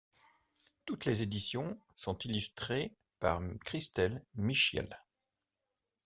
Toutes les éditions sont illustrées par Christel Michiels.